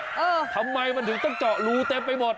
ทำไมมันถึงต้องเจาะรูเต็มไปหมด